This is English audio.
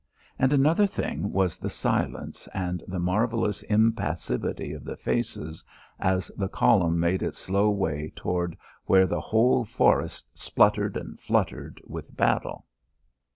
And another thing was the silence and the marvellous impassivity of the faces as the column made its slow way toward where the whole forest spluttered and fluttered with battle.